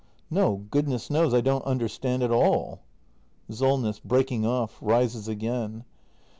No, goodness knows, I don't understand at all SOLNESS. [Breaking off, rises again.